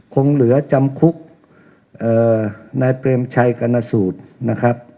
คงเหลือจำคุกนายเปรมชัยกรณสูตรนะครับ